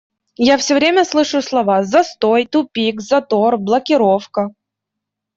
Я все время слышу слова "застой", "тупик", "затор", "блокировка".